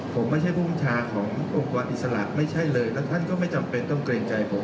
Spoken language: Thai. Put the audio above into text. ผมไม่ใช่ผู้บัญชาขององค์กรอิสระไม่ใช่เลยแล้วท่านก็ไม่จำเป็นต้องเกรงใจผม